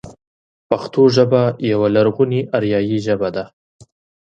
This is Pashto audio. پښتو ژبه يوه لرغونې اريايي ژبه ده.